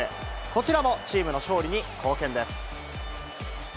こちらもチームの勝利に貢献です。